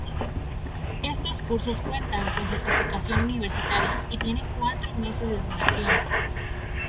Estos cursos cuentan con certificación universitaria y tienen cuatro meses de duración.